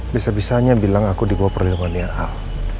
bisa bisanya bilang aku di bawah perlindungan dia al